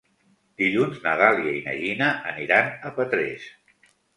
Dilluns na Dàlia i na Gina aniran a Petrés.